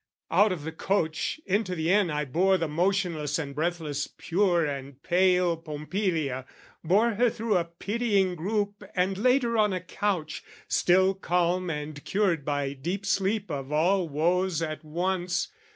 Out of the coach into the inn I bore The motionless and breathless pure and pale Pompilia, bore her through a pitying group And laid her on a couch, still calm and cured By deep sleep of all woes at once.